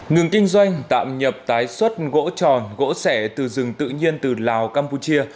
ngừng kinh doanh tạm nhập tái xuất gỗ tròn gỗ sẻ từ rừng tự nhiên từ lào campuchia